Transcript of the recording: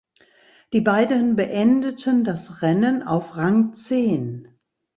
Die beiden beendeten das Rennen auf Rang zehn.